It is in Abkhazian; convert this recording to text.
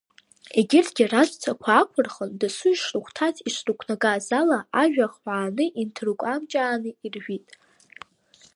Егьырҭгьы раҵәцақәа аақәырхын, дасу ишрыхәҭаз, ишрықәнагаз ала, ажәа ахҳәааны инҭыркәамҷааны иржәит.